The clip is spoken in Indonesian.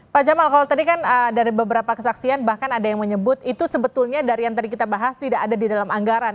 pak jamal kalau tadi kan dari beberapa kesaksian bahkan ada yang menyebut itu sebetulnya dari yang tadi kita bahas tidak ada di dalam anggaran